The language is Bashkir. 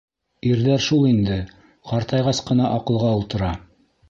Ирҙәр шул инде, ҡартайғас ҡына аҡылға ултыра.